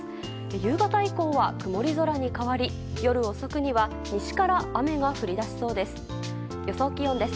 夕方以降は曇り空に変わり夜遅くには西から雨が降り出しそうです。